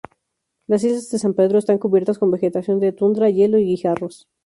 Las islas de San Pedro están cubiertas con vegetación de tundra, hielo y guijarros.